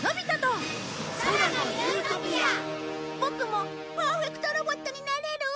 ボクもパーフェクトロボットになれる？